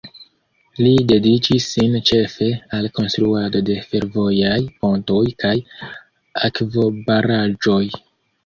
Li dediĉis sin ĉefe al konstruado de fervojaj pontoj kaj akvobaraĵoj.